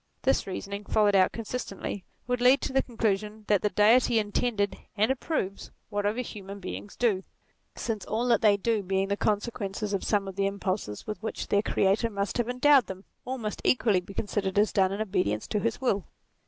This reasoning, fol lowed out consistently, would lead to the conclusion that the Deity intended, and approves, whatever M NATURE human beings do ; since all that they do being the consequence of some of the impulses with which their Creator must have endowed them, all must equally be considered as done in obedience to his will.